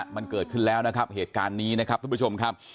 มันเกิดขึ้นแล้วนะครับเหตุการณ์นี้นะครับทุกผู้ชมครับ